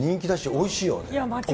おいしい。